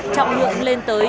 trọng lượng lên tới